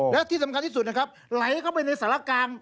และที่สำคัญที่สุดนะครับไหลเข้าไปในสารกลาง